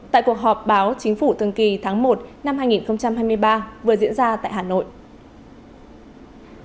tại cuộc họp báo chính phủ thường kỳ tháng một năm hai nghìn hai mươi ba vừa diễn ra tại hà nội